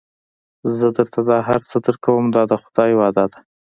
زه درته دا هر څه درکوم دا د خدای وعده ده.